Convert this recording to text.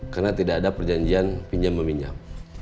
karena tidak ada perjanjian pinjam meminjam